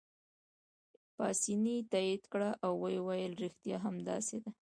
پاسیني تایید کړه او ویې ویل: ریښتیا هم داسې ده.